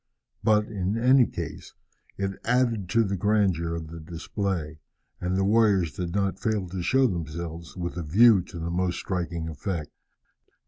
But, in any case, it added to the grandeur of the display, and the warriors did not fail to show themselves with a view to the most striking effect.